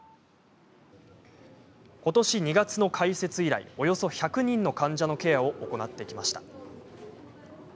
ことし２月の開設以来およそ１００人の患者のケアを行ってきました。